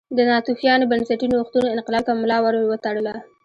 د ناتوفیانو بنسټي نوښتونو انقلاب ته ملا ور وتړله